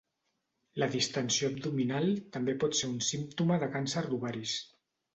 La distensió abdominal també pot ser un símptoma de càncer d'ovaris.